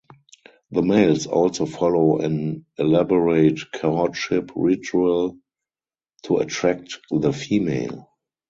The males also follow an elaborate courtship ritual to attract the female.